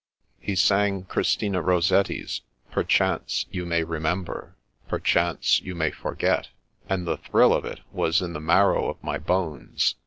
He sang Christina Rossetti's " Perchance you may remember, perchance you may forget," and the thrill of it was in the marrow of my bones.